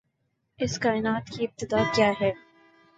اس کائنات کی ابتدا کیا ہے؟